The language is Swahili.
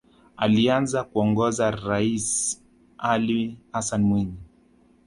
Alianza kuongoza raisi Ali Hassan Mwinyi